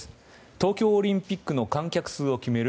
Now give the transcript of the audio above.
東京オリンピックの観客数を決める